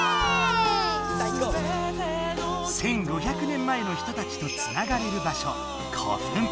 １，５００年前の人たちとつながれるばしょ古墳。